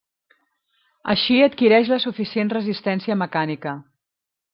Així adquireix la suficient resistència mecànica.